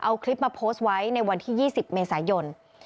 เอาคลิปมาโพสต์ไว้ในวันที่๒๐เมษายน